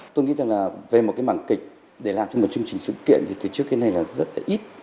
tôi nghĩ rằng là về một cái bảng kịch để làm cho một chương trình sự kiện thì từ trước kia này là rất là ít